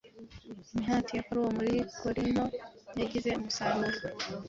Imihati ya Pawulo muri Korinto yagize umusaruro.